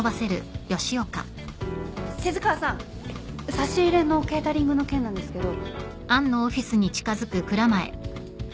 差し入れのケータリングの件なんですけど。